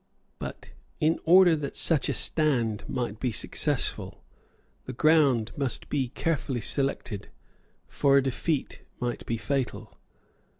But, in order that such a stand might be successful, the ground must be carefully selected; for a defeat might be fatal.